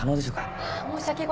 あっ申し訳ございません